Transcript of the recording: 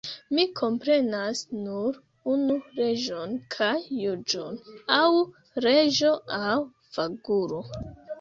Mi komprenas nur unu leĝon kaj juĝon: aŭ reĝo aŭ vagulo!